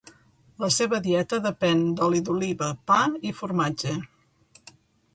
La seva dieta depèn d’oli d’oliva, pa i formatge.